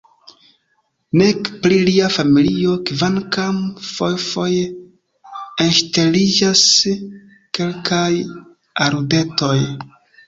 Nek pri lia familio – kvankam fojfoje enŝteliĝas kelkaj aludetoj.